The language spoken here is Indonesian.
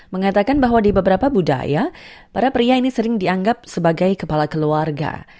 mengatakan bahwa di beberapa budaya para pria ini sering dianggap sebagai kepala keluarga